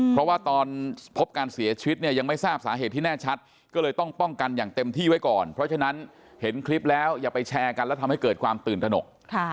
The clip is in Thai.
เพราะว่าตอนพบการเสียชีวิตเนี่ยยังไม่ทราบสาเหตุที่แน่ชัดก็เลยต้องป้องกันอย่างเต็มที่ไว้ก่อนเพราะฉะนั้นเห็นคลิปแล้วอย่าไปแชร์กันแล้วทำให้เกิดความตื่นตนก